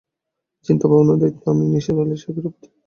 চিন্তা-ভাবনার দায়িত্ব আমি নিসার আলি সাহেবের ওপর ছেড়ে দিয়েছি।